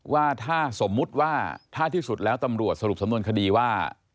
ว่าถ้าสมมุติว่าถ้าที่สุดแล้วตำรวจสรุปสำนวนคดีว่า